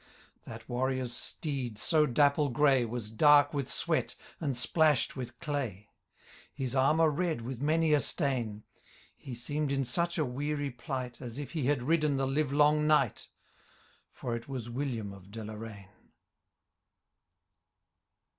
That warrior's steed, so dapple gray. Was dark with sweat, and splashed with clay ; His armour red with many a stain : He seem'd in such a weary plight. As if he had ridden the live long night ; For it was William of Deloraine.